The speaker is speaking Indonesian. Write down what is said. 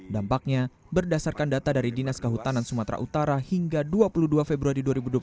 dampaknya berdasarkan data dari dinas kehutanan sumatera utara hingga dua puluh dua februari dua ribu dua puluh